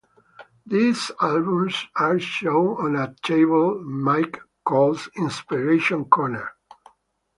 These albums are shown on a table Mike calls "Inspiration Corner".